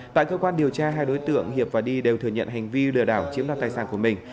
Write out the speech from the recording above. tại cơ quan điều tra hai đối tượng hiệp và đi đều thừa nhận hành vi lừa đảo chiếm đoạt tài sản của mình